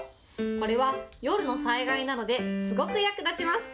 これは夜の災害などで、すごく役立ちます。